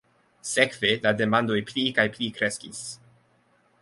Sekve la demandoj pli kaj pli kreskis.